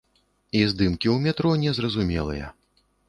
І здымкі ў метро не зразумелыя.